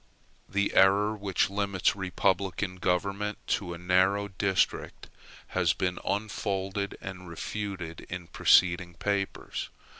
The error which limits republican government to a narrow district has been unfolded and refuted in preceding papers.